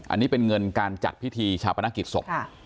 อันนี้เป็นเงินการจัดพิธีชาปนกิจศพ